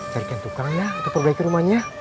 carikan tukang ya untuk perbaiki rumahnya